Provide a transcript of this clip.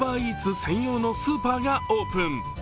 専用のスーパーがオープン。